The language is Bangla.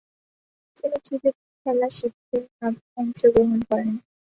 তিনি ক্রিকেট খেলা শিখতে অংশগ্রহণ করেন।